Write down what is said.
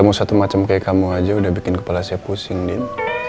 kamu satu macam kayak kamu aja udah bikin kepala saya pusing din